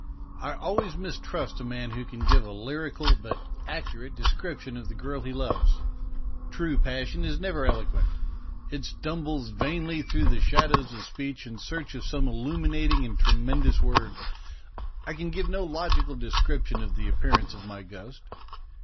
I always mistrust a man who can give a lyrical, but accurate, description of the girl he loves. True passion is never eloquent ; it stumbles vainly through the shadows of AN ELECTION TIDE DREAM 139 speech in search of some illuminating and tremendous word. I can give no logical description of the appearance of my ghost.